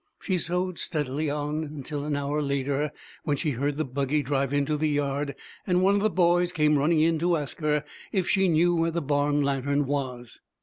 She sewed steadily on until an hour later, when she heard the buggy drive into the yard and one of the boys came running in to ask her if she knew where the barn lantern was.